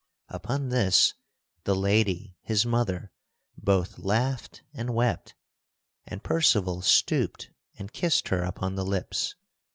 Upon this the lady, his mother, both laughed and wept; and Percival stooped and kissed her upon the lips.